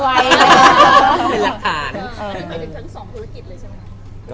คือแล้วทั้งสองธุรกิจเลยใช่มั้ย